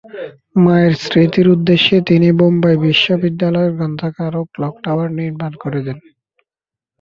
মায়ের স্মৃতির উদ্দেশ্যে তিনি বোম্বাই বিশ্ববিদ্যালয়ের গ্রন্থাগার ও ক্লক টাওয়ার নির্মাণ করে দেন।